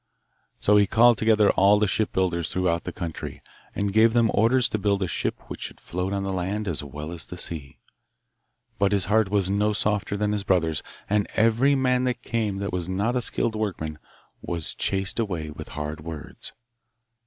So he called together all the shipbuilders throughout the country, and gave them orders to build a ship which should float on the land as well as on the sea. But his heart was no softer than his brother's, and every man that was not a skilled workman was chased away with hard words.